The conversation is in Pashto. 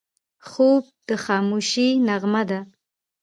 خوب د خاموشۍ نغمه ده